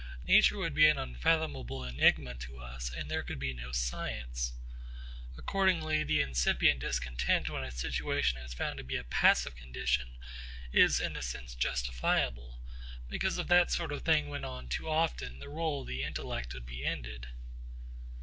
Nature would be an unfathomable enigma to us and there could be no science. Accordingly the incipient discontent when a situation is found to be a passive condition is in a sense justifiable; because if that sort of thing went on too often, the rôle of the intellect would be ended.